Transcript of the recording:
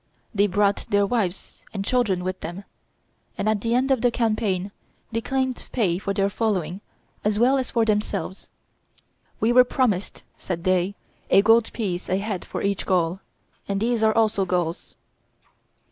They brought their wives and children with them, and at the end of the campaign they claimed pay for their following as well as for themselves: "We were promised," said they, "a gold piece a head for each Gaul; and these are also Gauls."